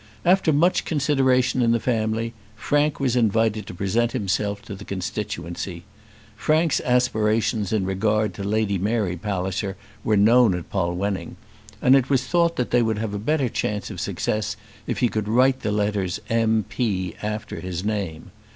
After much consideration in the family, Frank was invited to present himself to the constituency. Frank's aspirations in regard to Lady Mary Palliser were known at Polwenning, and it was thought that they would have a better chance of success if he could write the letters M.P. after his name.